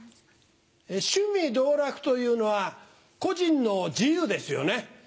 趣味道楽というのは個人の自由ですよね。